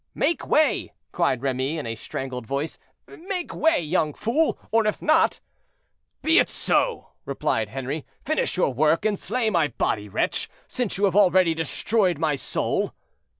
"Make way!" cried Remy, in a strangled voice; "make way, young fool, or if not—" "Be it so," replied Henri; "finish your work, and slay my body, wretch, since you have already destroyed my soul."